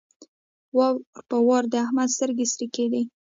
وار په وار د احمد سترګې سرې کېدې.